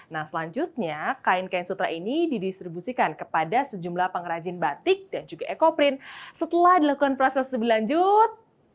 nah selanjutnya kain kain sutra ini didistribusikan kepada sejumlah pengrajin batik dan juga ekoprint setelah dilakukan proses lebih lanjut